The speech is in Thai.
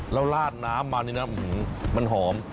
แล้วลาดน้ำมานี่นะมันหอม